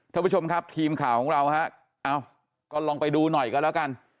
ท่านผู้ชมครับทีมข่าวของเราฮะเอ้าก็ลองไปดูหน่อยกันแล้วกัน